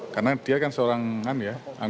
karena dia kan seorang anggota dprd di sana